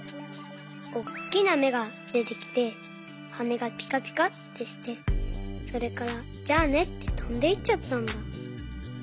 おっきなめがでてきてはねがぴかぴかってしてそれから「じゃあね」ってとんでいっちゃったんだ。